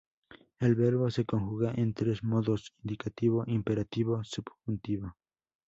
El verbo se conjuga en tres modos: indicativo, imperativo, subjuntivo.